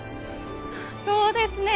そうですね。